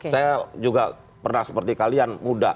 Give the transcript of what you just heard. saya juga pernah seperti kalian muda